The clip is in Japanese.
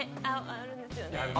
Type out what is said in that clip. あるんですよね。